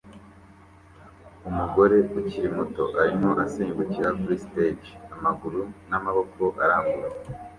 Umugore ukiri muto arimo asimbukira kuri stage amaguru n'amaboko arambuye